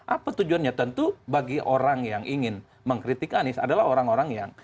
apa tujuannya tentu bagi orang yang ingin mengkritik anies adalah orang orang yang